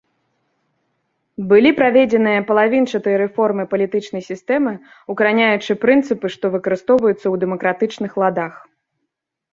Былі праведзеныя палавінчатыя рэформы палітычнай сістэмы, укараняючы прынцыпы, што выкарыстоўваюцца ў дэмакратычных ладах.